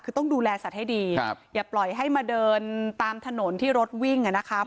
คือต้องดูแลสัตว์ให้ดีครับอย่าปล่อยให้มาเดินตามถนนที่รถวิ่งอ่ะนะคะ